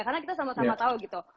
karena kita sama sama tahu gitu